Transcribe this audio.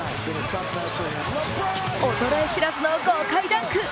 衰え知らずの豪快ダンク。